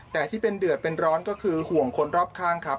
แต่ที่เป็นเดือดเป็นร้อนก็คือห่วงคนรอบข้างครับ